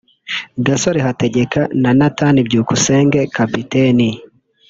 Gasore Hategeka na Nathan Byukusenge (Kapiteni)